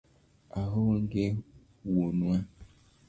Aonge wuonwa